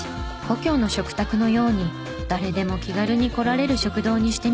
故郷の食卓のように誰でも気軽に来られる食堂にしてみよう！」。